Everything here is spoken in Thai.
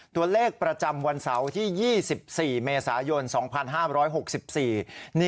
ตัวเลขประจำวันเสาร์ที่๒๔เมษายน๒๕๖๔